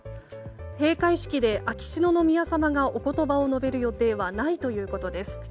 閉会式で秋篠宮さまがお言葉を述べる予定はないということです。